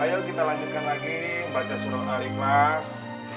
ayo kita lanjutkan lagi baca suruh ahli kelas